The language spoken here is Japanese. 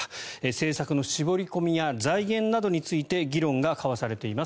政策の絞り込みや財源などについて議論が交わされています。